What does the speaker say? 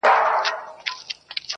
ده ناروا.